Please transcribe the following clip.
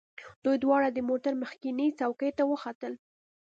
دوی دواړه د موټر مخکینۍ څوکۍ ته وختل